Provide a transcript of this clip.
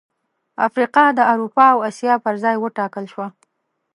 افریقا د اروپا او اسیا پر ځای وټاکل شوه.